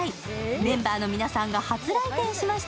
メンバーの皆さんが初来店しました。